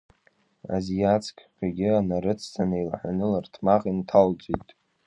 Азиацкқәагьы нарыцҵаны, еилаҳәаны ларҭмаҟ инҭалҵеит.